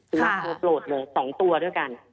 สุนัขโอโปรดเลย๒ตัวด้วยกัน